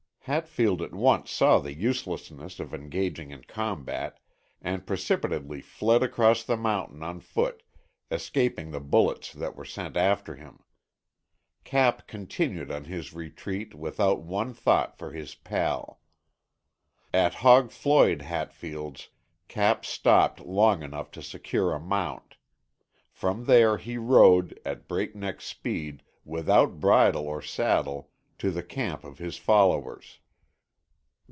Hatfield at once saw the uselessness of engaging in combat and precipitately fled across the mountain on foot, escaping the bullets that were sent after him. Cap continued on his retreat without one thought for his pal. At "Hog Floyd" Hatfield's, Cap stopped long enough to secure a mount. From there he rode, at breakneck speed, without bridle or saddle, to the camp of his followers.